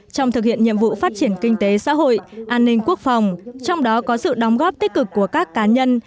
trong thực hiện nhiệm vụ phát triển kinh tế xã hội an ninh quốc phòng trong đó có sự đóng góp tích cực của các cá nhân